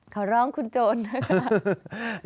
ขอร้องคุณโจรนะคะ